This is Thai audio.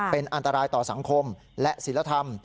เป็นอันตรายต่อสังคมและศิลธรรม